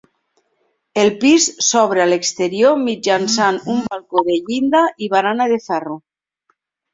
El pis s'obre a l'exterior mitjançant un balcó de llinda i barana de ferro.